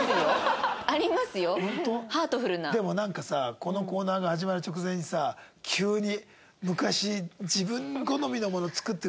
でもなんかさこのコーナーが始まる直前にさ急に。